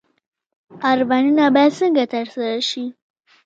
ارمانونه باید څنګه ترسره شي؟